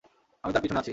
আমি তার পিছনে আছি।